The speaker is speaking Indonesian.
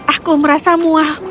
aku merasa muah